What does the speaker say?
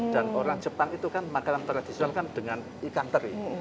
dan orang jepang itu kan makanan tradisional kan dengan ikan teri